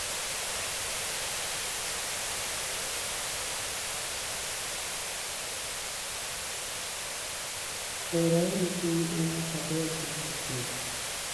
lora uru piny an ok adwa dhi katedo